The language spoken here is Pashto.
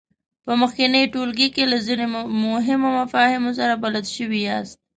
په مخکېني ټولګي کې له ځینو مهمو مفاهیمو سره بلد شوي یاست.